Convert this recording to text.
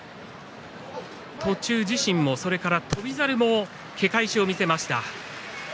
途中、自身も翔猿もけ返しを見せました。